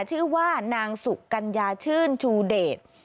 ชื่อว่านางสุกัญญาชื่นชูเดช